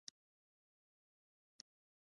تاریخي ابدات د ملت شتمني ده.